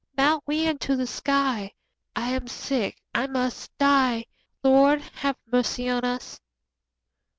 Mount we unto the sky; 40 I am sick, I must die— Lord, have mercy on us!